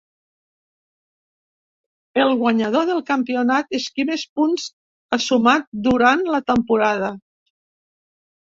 El guanyador del campionat és qui més punts ha sumat durant la temporada.